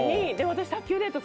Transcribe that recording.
私卓球デート